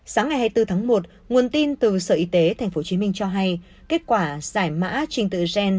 sáng ngày hai mươi bốn tháng một nguồn tin từ sở y tế tp hcm cho hay kết quả giải mã trình tự gen